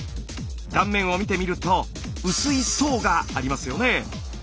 断面を見てみると薄い層がありますよね。